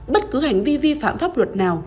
bất cứ hành vi vi phạm pháp luật nào